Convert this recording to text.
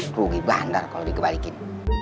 rugi bandar kalau dikebalikin